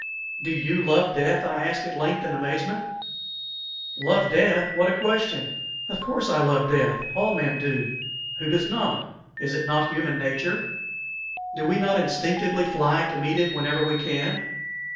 "Do you love death?" I asked at length, in amazement. "Love death? What a question! Of course I love death all men do; who does not? Is it not human nature? Do we not instinctively fly to meet it whenever we can?